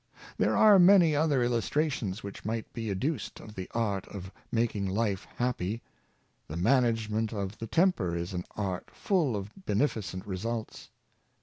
There are many other illustrations which might be adduced of the art of making life happy. The man agement of the temper is an art full of beneficent results.